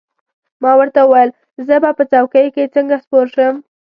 ما ورته وویل: زه به په څوکۍ کې څنګه سپور شم؟